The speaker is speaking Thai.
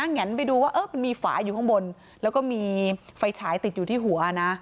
แนนไปดูว่ามันมีฝาอยู่ข้างบนแล้วก็มีไฟฉายติดอยู่ที่หัวนะ